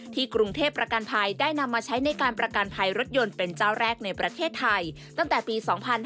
กรุงเทพประกันภัยได้นำมาใช้ในการประกันภัยรถยนต์เป็นเจ้าแรกในประเทศไทยตั้งแต่ปี๒๕๕๙